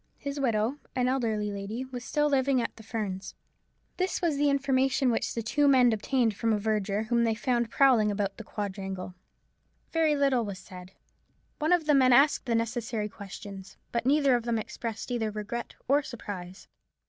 His widow, an elderly lady, was still living at the Ferns. This was the information which the two men obtained from a verger, whom they found prowling about the quadrangle, Very little was said. One of the men asked the necessary questions. But neither of them expressed either regret or surprise.